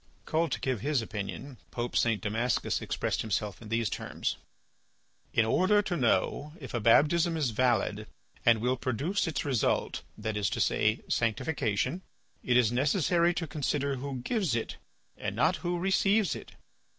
Called to give his opinion, Pope St. Damascus expressed himself in these terms: "In order to know if a baptism is valid and will produce its result, that is to say, sanctification, it is necessary to consider who gives it and not who receives it.